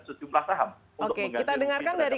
sejumlah saham oke kita dengarkan dari